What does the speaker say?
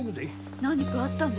何かあったの？